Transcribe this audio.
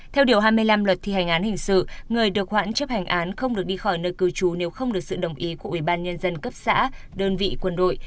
theo điều hai mươi năm luật thi hành án hình sự người được khoản chấp hành án không được đi khỏi nơi cư trú nếu không được sự đồng ý của ủy ban nhân dân cấp xã đơn vị quân đội